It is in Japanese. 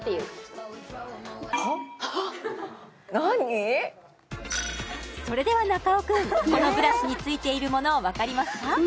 でもそれでは中尾君このブラシについているもの分かりますか？